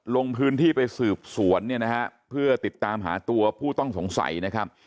ลงพื้นที่ไปสืบสวนเนี่ยนะฮะเพื่อติดตามหาตัวผู้ต้องสงสัยนะครับ